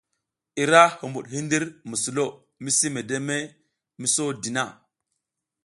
Ira huɓuɗ hindir mi sulo misi medeme mi sodi na.